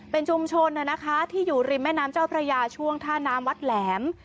เป็นชุมชนนะคะที่อยู่ริมแม่น้ำเจ้าพระยาช่วงท่าน้ำวัดแหลม